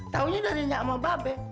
taunya dari nyamang babe